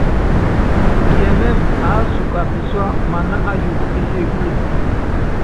Kiɛmɛ́mɛ, aásuka pisúa mana ayuukɔ é sekule.